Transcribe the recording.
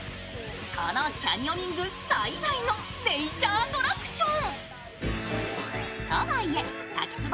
このキャニオニング最大のネイチャーアトラクション。